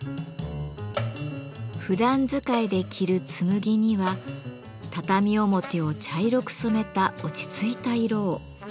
ふだん使いで着る紬には畳表を茶色く染めた落ち着いた色を。